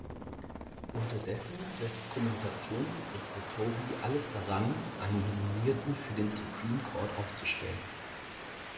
Unterdessen setzt Kommunikationsdirektor Toby alles daran, einen Nominierten für den Supreme Court aufzustellen.